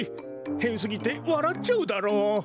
へんすぎてわらっちゃうダロ。